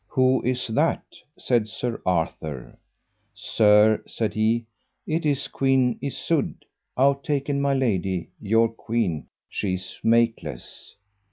Who is that? said Sir Arthur. Sir, said he, it is Queen Isoud that, out taken my lady your queen, she is makeless.